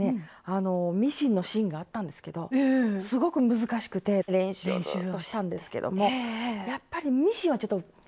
あのミシンのシーンがあったんですけどすごく難しくて練習をずっとしたんですけどもやっぱりミシンはちょっと苦手です。